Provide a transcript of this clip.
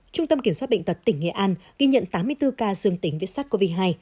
trung tâm kiểm soát bệnh tật tỉnh nghệ an ghi nhận tám mươi bốn ca dương tính viết sát covid một mươi chín